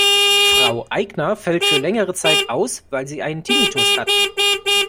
Frau Aigner fällt für längere Zeit aus, weil sie einen Tinnitus hat.